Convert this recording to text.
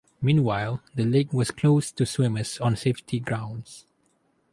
Meanwhile the lake was closed to swimmers on safety grounds.